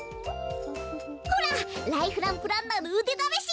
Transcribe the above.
ほらライフランプランナーのうでだめし！